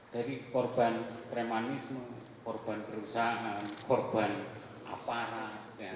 dari korban kremanisme korban perusahaan korban aparat ya